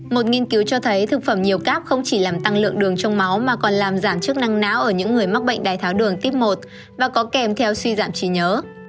một nghiên cứu cho thấy thực phẩm nhiều cáp không chỉ làm tăng lượng đường trong máu mà còn làm giảm chức năng não ở những người mắc bệnh đai tháo đường tuyếp một và có kèm theo suy giảm trí nhớ